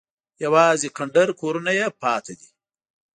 یوازې کنډر کورونه یې پاتې دي.